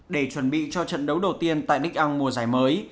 để chuẩn bị cho trận đấu đầu tiên tại đích âng mùa giải mới